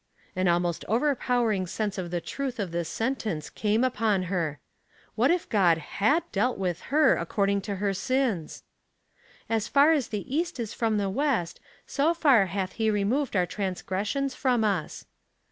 An almost overpowering sense of the truth of this sentence came upon her. What if God Aac? dealt with Jier according to her sins I "As far as the east is from the west, so far hath he removed our transgressions from us."